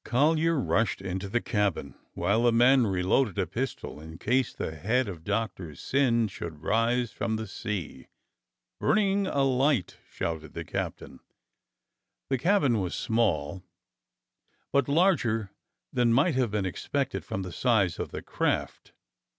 Collyer rushed into the cabin, while the men reloaded a pistol in case the head of Doctor Syn should rise from the sea. "Bring a light!" shouted the captain. The cabin was small, but larger than might have been expected from the size of the craft.